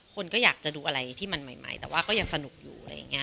คนก็อยากจะดูอะไรที่มันใหม่แต่ยังสนุกอยู่